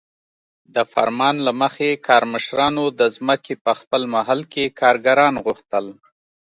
د فرمان له مخې کارمشرانو د ځمکې په خپل محل کې کارګران غوښتل.